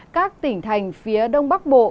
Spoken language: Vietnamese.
các tỉnh thành phía đông bắc bộ